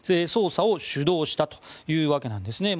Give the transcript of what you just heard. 捜査を主導したというわけです。